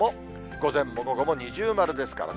午前も午後も二重丸ですからね。